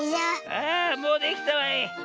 あもうできたわい。